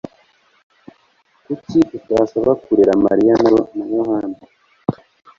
Kuki utasaba kurera Mariya na Yohana?